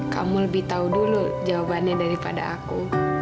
kamu lebih tahu dulu jawabannya daripada aku